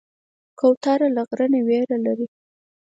کوتره له غره نه ویره لري.